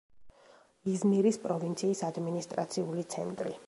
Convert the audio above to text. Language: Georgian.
იზმირის პროვინციის ადმინისტრაციული ცენტრი.